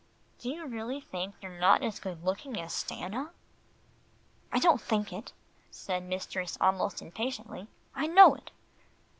"Do you really think you are not as good looking as Stanna?" "I don't think it," said mistress almost impatiently, "I know it."